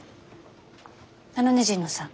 あのね神野さん。